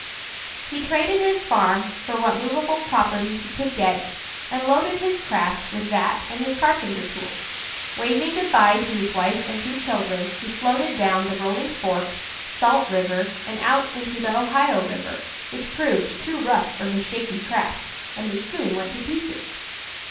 He traded his farm for what movable property he could get, and loaded his raft with that and his carpenter tools. Waving good bye to his wife and two children, he floated down the Rolling Fork, Salt River, and out into the Ohio River, which proved too rough for his shaky craft, and it soon went to pieces.